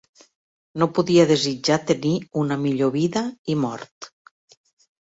No podia desitjar tenir una millor vida i mort.